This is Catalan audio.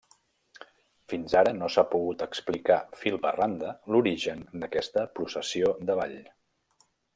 Fins ara no s'ha pogut explicar fil per randa l'origen d'aquesta processió de ball.